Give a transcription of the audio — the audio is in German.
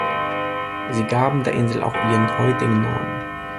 Sie gaben der Insel auch ihren heutigen Namen.